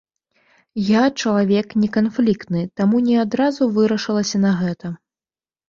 Я чалавек неканфліктны, таму ні адразу вырашылася на гэта.